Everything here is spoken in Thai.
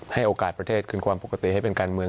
ให้โอกาสประเทศคืนความปกติให้เป็นการเมือง